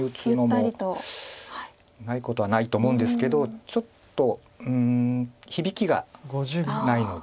ないことはないと思うんですけどちょっと響きがないので。